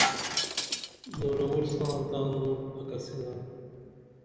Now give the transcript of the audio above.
زورہ وُر ساں دان مُٹ اکسِنا